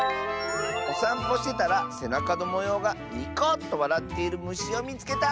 「おさんぽしてたらせなかのもようがニコッとわらっているむしをみつけた！」。